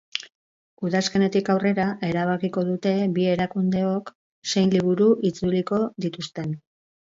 Udazkenetik aurrera erabakiko dute bi erakundeok zein liburu itzuliko dituzten.